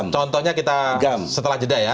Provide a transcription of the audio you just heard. contohnya kita setelah jeda ya